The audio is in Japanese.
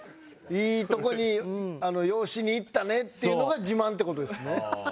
いいとこに養子に行ったねっていうのが自慢って事ですね？